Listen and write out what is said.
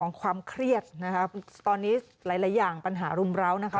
ความเครียดนะคะตอนนี้หลายหลายอย่างปัญหารุมร้าวนะคะ